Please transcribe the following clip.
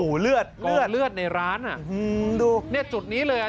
โอ้โหเลือดเลือดในร้านอ่ะอืมดูเนี้ยจุดนี้เลยอ่ะ